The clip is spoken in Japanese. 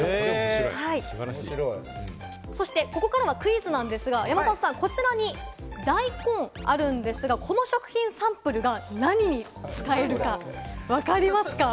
ここからはクイズなんですが、山里さん、こちらに大根あるんですが、こちらの食品サンプルが何に使えるかわかりますか？